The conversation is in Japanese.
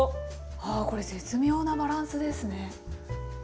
あこれ絶妙なバランスですね。